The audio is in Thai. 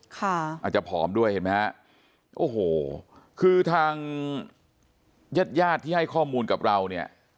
อาจจะผอมด้วยเห็นไหมฮะโอ้โหคือทางญาติญาติที่ให้ข้อมูลกับเราเนี่ย